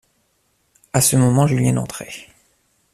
A ce moment, Julienne entrait.